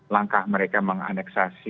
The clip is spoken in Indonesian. langkah mereka menganeksasi